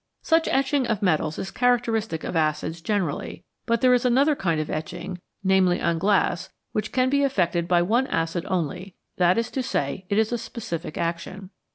Such etching of metals is characteristic of acids gener ally, but there is another kind of etching, namely, on glass, which can be effected by one acid only that is to say, it is a specific action.